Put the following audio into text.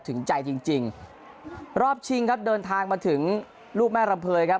ถึงใจจริงจริงรอบชิงครับเดินทางมาถึงลูกแม่รำเภยครับ